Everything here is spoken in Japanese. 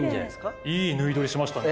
いいぬい撮りしましたね。